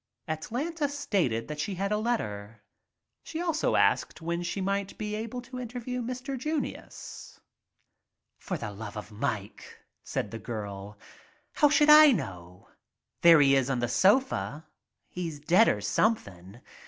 Atlanta stated that she had a letter. She also asked when she might be able to interview Mr. Junius. "For the love of Mike/' said the girl. "How should I know. There he is on the sofa. He's dead or something.